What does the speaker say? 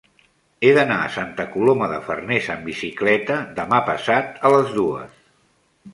He d'anar a Santa Coloma de Farners amb bicicleta demà passat a les dues.